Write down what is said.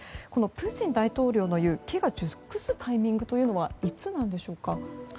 このプーチン大統領の言う機が熟すタイミングというのはいつなんでしょうか。